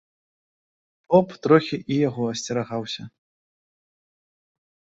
Поп трохі і яго асцерагаўся.